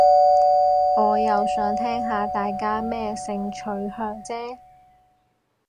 我又想聽下大家咩性取向啫